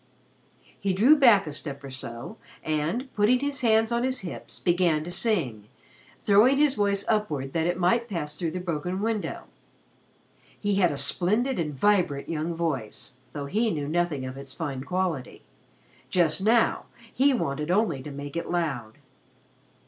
He drew back a step or so, and, putting his hands on his hips, began to sing, throwing his voice upward that it might pass through the broken window. He had a splendid and vibrant young voice, though he knew nothing of its fine quality. Just now he wanted only to make it loud.